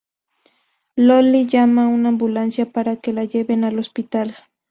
Loli llama una ambulancia para que la lleven al hospital.